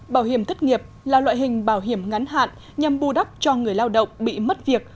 bảo hiểm thất nghiệp là loại hình bảo hiểm ngắn hạn nhằm bù đắp cho người lao động bị mất việc